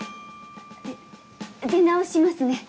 で出直しますね。